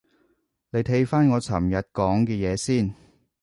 你睇返我尋日講嘅嘢先